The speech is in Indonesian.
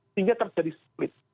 sehingga terjadi split